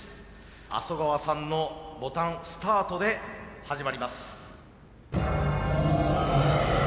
麻生川さんのボタンスタートで始まります。